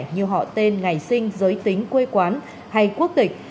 như họ tên ngày sinh giới tính quê quán hay quốc tịch